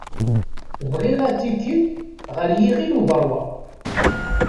Bɣiɣ atiki ɣer Yiɣil Ubeṛwaq.